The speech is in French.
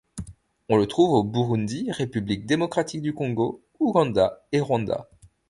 On le trouve au Burundi, République démocratique du Congo, Ouganda et Rwanda.